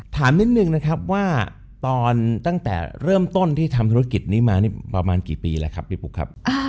ถามนิดนึงว่าต่างแต่เริ่มต้นที่ทำศัลกิจนี้มาประมาณกี่ปีครับพี่ปุ๊กครับ